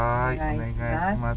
お願いします。